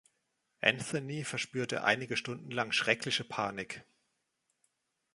Anthony verspürte einige Stunden lang schreckliche Panik.